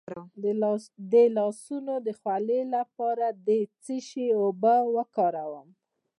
د لاسونو د خولې لپاره د څه شي اوبه وکاروم؟